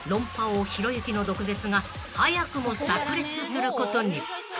王ひろゆきの毒舌が早くも炸裂することに］